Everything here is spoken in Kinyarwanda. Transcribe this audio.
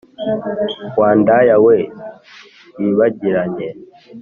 wa ndaya we yibagiranye!